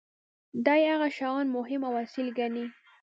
دي هغه شیان مهم او اصیل ګڼي.